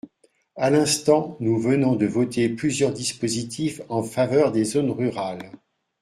À l’instant, nous venons de voter plusieurs dispositifs en faveur des zones rurales.